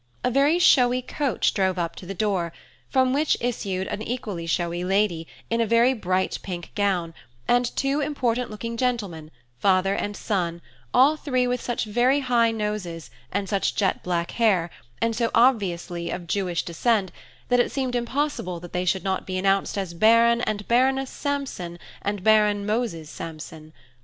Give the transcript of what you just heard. A very showy coach drove up to the door, from which issued an equally showy lady, in a very bright pink gown, and two important looking gentlemen, father and son, all three with such very high noses, and such jet black hair, and so obviously of Jewish descent, that it seemed impossible that they should not be announced as Baron and Baroness Sampson and Baron Moses Sampson.